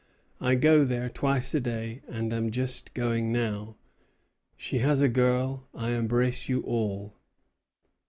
I go there twice a day, and am just going now. She has a girl. I embrace you all."